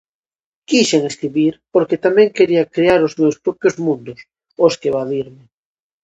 Quixen escribir porque tamén quería crear os meus propios mundos aos que evadirme.